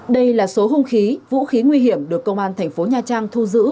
đây là số hung khí vũ khí nguy hiểm được công an thành phố nha trang thu giữ